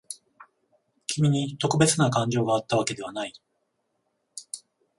君に特別な感情があったわけではない。